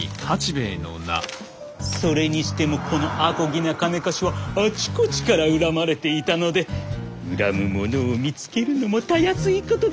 それにしてもこのあこぎな金貸しはあちこちから恨まれていたので恨む者を見つけるのもたやすいことで。